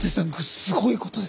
すごいことですね